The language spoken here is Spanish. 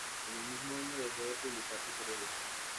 En el mismo año dejó de publicar su periódico.